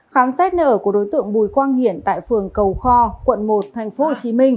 khám xét nợ của đối tượng bùi quang hiển tại phường cầu kho quận một tp hcm